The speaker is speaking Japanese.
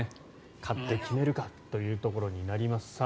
勝って決めるかというところになります。